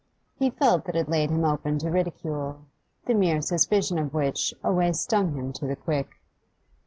He felt that it laid him open to ridicule, the mere suspicion of which always stung him to the quick.